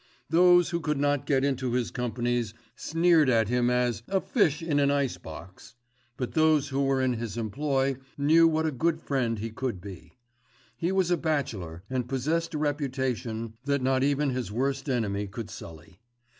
Those who could not get into his companies sneered at him as "a fish in an ice box"; but those who were in his employ knew what a good friend he could be. He was a bachelor and possessed a reputation that not even his worst enemy could sully.